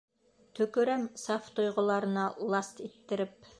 Төкөрәм саф тойғоларына ласт иттереп!